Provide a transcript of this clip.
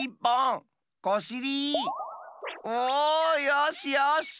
よしよし！